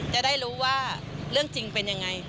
จะได้รู้ว่าเรื่องจริงเป็นยังไง